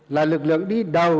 là lực lượng đi đầu